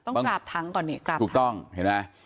ต้องกราบทั้งก่อนเนี่ย